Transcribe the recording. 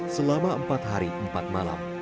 selama empat hari empat malam